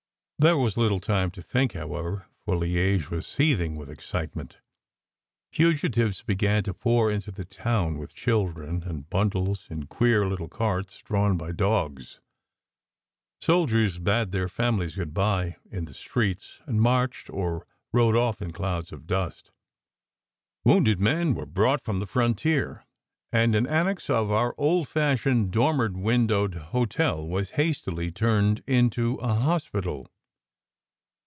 There was little time to think, however, for Liege was seething with excitement. Fugi tives began to pour into the town, with children and bundles in queer little carts drawn by dogs. Soldiers bade their families good bye in the streets, and marched or rode off in clouds of dust. Wounded men were brought from the frontier, and an annex of our old fashioned, dormer windowed hotel was hastily turned into a hospital.